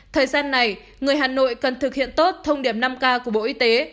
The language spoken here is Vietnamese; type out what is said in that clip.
thời gian này người hà nội cần thực hiện tốt thông điệp năm k của bộ y tế